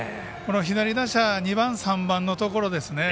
左打者、２番、３番のところですね。